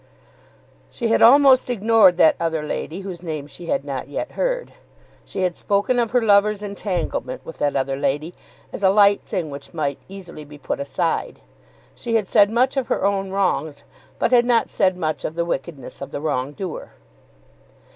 She had almost ignored that other lady whose name she had not yet heard. She had spoken of her lover's entanglement with that other lady as a light thing which might easily be put aside. She had said much of her own wrongs, but had not said much of the wickedness of the wrong doer.